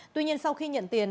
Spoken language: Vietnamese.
tuy nhiên sau khi nhận tiền